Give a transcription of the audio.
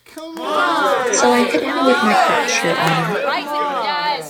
So I hit him with my crutch, your Honour.